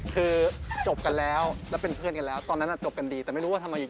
คือจบกันแล้วแล้วเป็นเพื่อนกันแล้ว